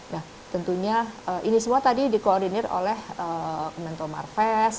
nah tentunya ini semua tadi dikoordinir oleh mento marves